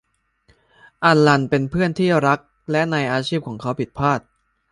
อัลลันเป็นเพื่อนที่รักและในอาชีพของเขาผิดพลาด